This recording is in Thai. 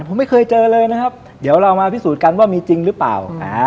ผมไม่เคยเจอเลยนะครับเดี๋ยวเรามาพิสูจน์กันว่ามีจริงหรือเปล่า